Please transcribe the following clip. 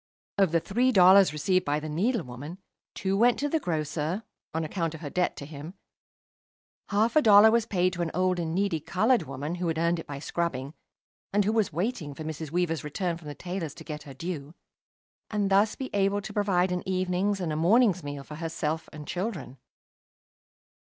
Of the three dollars received by the needlewoman two went to the grocer, on account of her debt to him, half a dollar was paid to an old and needy coloured woman who had earned it by scrubbing, and who was waiting for Mrs. Weaver's return from the tailor's to get her due, and thus be able to provide an evening's and a morning's meal for herself and children.